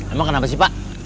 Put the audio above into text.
emang kenapa sih pak